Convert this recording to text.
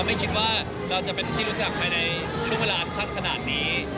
มองว่าเราทำงานเยอะผมดูแลเขาได้ไม่ดี